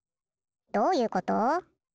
どういうこと？